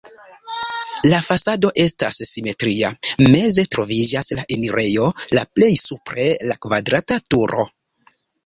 La fasado estas simetria, meze troviĝas la enirejo, la plej supre la kvadrata turo.